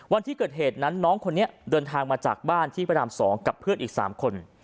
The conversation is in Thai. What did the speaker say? วันที่เกิดเหตุนั้นน้องคนนี้เดินทางมาจากบ้านที่พระราม๒กับเพื่อนอีก๓คน